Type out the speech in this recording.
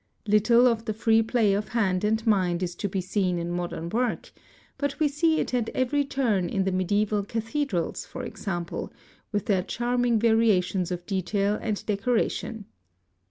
Little of the free play of hand and mind is to be seen in modem work, but we see it at every turn in the medieval cathedrals, for example, with their charming variations of detail and decora tion.